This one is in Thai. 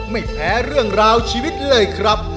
ไม่แพ้เรื่องราวชีวิตเลยครับ